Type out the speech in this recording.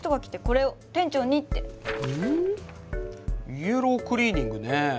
イエロークリーニングね。